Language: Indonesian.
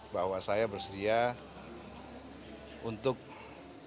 bahwa saya bersedia untuk memberikan